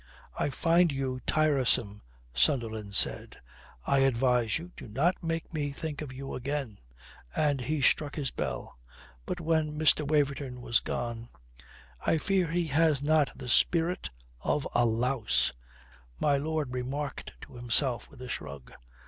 "I find you tiresome," Sunderland said. "I advise you, do not make me think of you again," and he struck his bell. But when Mr. Waverton was gone: "I fear he has not the spirit of a louse," my lord remarked to himself with a shrug.